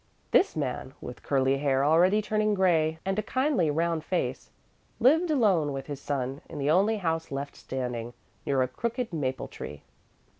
This man, with curly hair already turning grey and a kindly round face, lived alone with his son in the only house left standing, near a crooked maple tree.